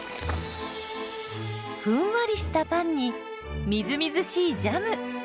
ふんわりしたパンにみずみずしいジャム。